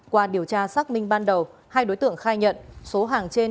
qua điều tra xác minh ban đầu hai đối tượng khai nhận